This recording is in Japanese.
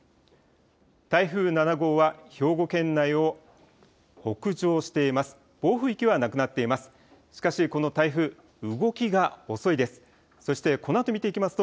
台風７号は兵庫県内を北上しています。